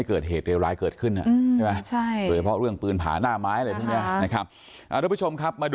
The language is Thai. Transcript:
คลักกันดี